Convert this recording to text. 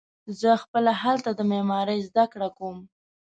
زه خپله هلته د معمارۍ زده کړه کوم.